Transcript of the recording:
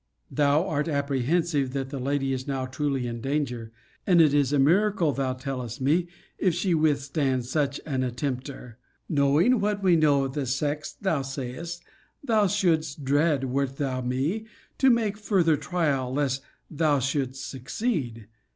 Thou art apprehensive, that the lady is now truly in danger; and it is a miracle, thou tellest me, if she withstand such an attempter! 'Knowing what we know of the sex, thou sayest, thou shouldst dread, wert thou me, to make further trial, lest thou shouldst succeed.'